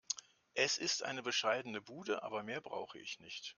Es ist eine bescheidene Bude, aber mehr brauche ich nicht.